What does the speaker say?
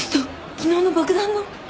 昨日の爆弾の。